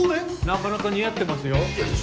なかなか似合ってますよ。